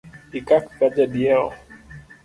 Ikak ka jadiewo